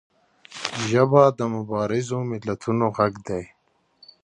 ژبه د مبارزو ملتونو غږ دی